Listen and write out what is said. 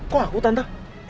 kok aku tante